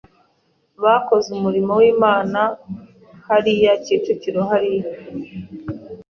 bakoze umurimo w’Imana hariya kicukiro hari